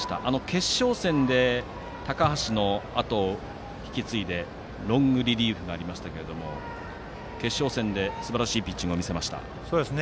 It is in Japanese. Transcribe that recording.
決勝戦で高橋のあとを引き継ぎロングリリーフがありましたが決勝戦ですばらしいピッチングを見せました。